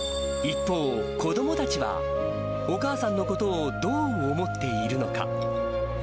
一方、子どもたちは、お母さんのことをどう思っているのか。